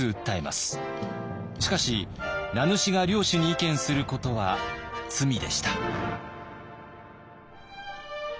しかし名主が領主に意見することは「罪」でした。